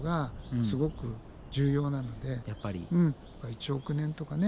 １億年とかね